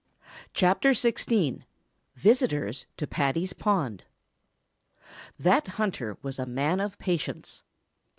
CHAPTER XVI VISITORS TO PADDY'S POND That hunter was a man of patience.